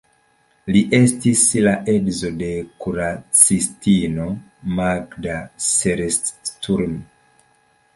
Li estis la edzo de kuracistino Magda Seres-Sturm.